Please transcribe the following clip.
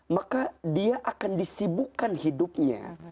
maka dia akan disibukkan hidupnya